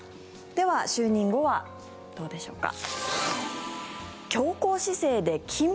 では、就任後はどうでしょうか。